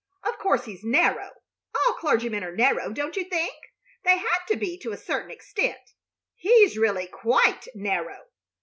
Of course, he's narrow. All clergymen are narrow, don't you think? They have to be to a certain extent. He's really quite narrow.